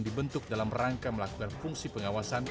dibentuk dalam rangka melakukan fungsi pengawasan